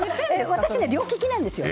私、両利きなんですよ。